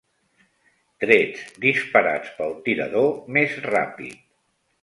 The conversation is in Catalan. Trets disparats pel tirador més ràpid.